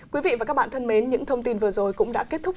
quý vị và các bạn thân mến những thông tin vừa rồi cũng đã kết thúc